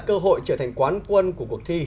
cơ hội trở thành quán quân của cuộc thi